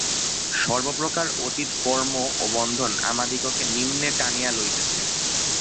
সর্বপ্রকার অতীত কর্ম ও বন্ধন আমাদিগকে নিম্নে টানিয়া লইতেছে।